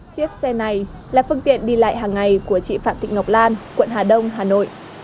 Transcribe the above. chiếc xe này là phương tiện đi lại hàng ngày của chị phạm thị ngọc lan quận hà đông hà nội